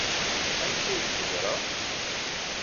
Amek ay yeẓra?